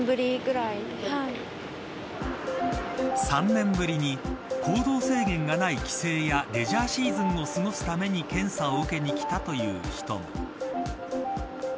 ３年ぶりに行動制限がない帰省やレジャーシーズンを過ごすために検査を受けに来たという人も。